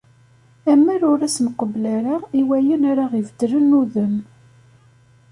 Amer ur as-nqebbel ara i wayen ara aɣ-ibeddlen udem.